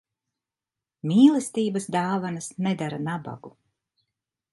Mīlestības dāvanas nedara nabagu.